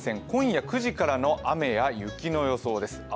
今夜９時からの雨や雪の予想です。